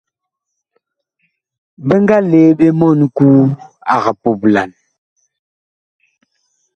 Bi nga lee ɓe mɔɔn Kuu ag puplan.